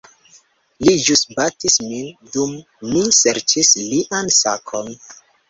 Li ĵus batis min dum mi serĉis lian sakon